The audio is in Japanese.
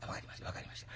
分かりました。